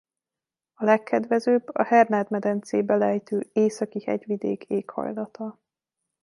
A legkedvezőbb a Hernád-medencébe lejtő északi hegyvidék éghajlata.